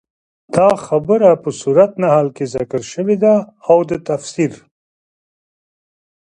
دا خبره په سورت نحل کي ذکر شوي ده، او د تفسير